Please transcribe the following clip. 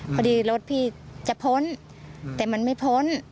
พอดีรถพี่จะพ้นแต่มันไม่พ้น